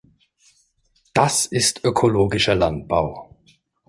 Das ist ökologischer Landbau.